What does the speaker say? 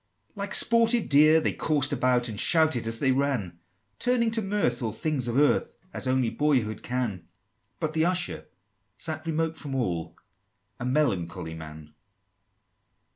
III. Like sportive deer they coursed about, And shouted as they ran, Turning to mirth all things of earth, As only boyhood can; But the Usher sat remote from all, A melancholy man!